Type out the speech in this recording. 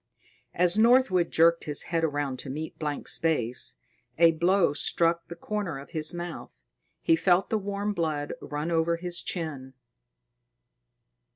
As Northwood jerked his head around to meet blank space, a blow struck the corner of his mouth. He felt the warm blood run over his chin.